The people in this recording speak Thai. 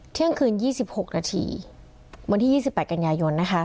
เที่ยงคืนยี่สิบหกนาทีวันที่ยี่สิบแปดกันยายนนะคะ